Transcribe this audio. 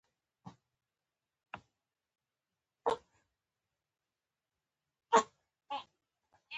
طلا د افغانستان د ملي هویت نښه ده.